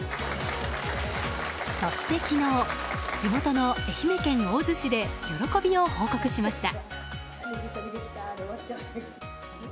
そして昨日地元の愛媛県大洲市で喜びを報告しました。